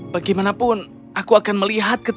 bagaimanapun aku akan melihat ketika monster itu berhenti